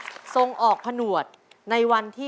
เจ้าชายศิษฐะทรงพนวทที่ริมฝั่งแม่น้ำใด